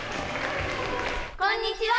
こんにちは！